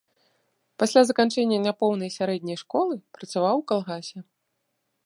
Пасля заканчэння няпоўнай сярэдняй школы працаваў у калгасе.